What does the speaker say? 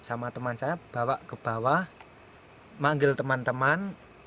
sama teman saya bawa ke bawah manggil teman teman